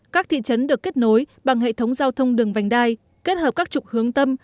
các thị trấn được kết nối bằng hệ thống giao thông đường vành đai kết hợp các trục hướng tâm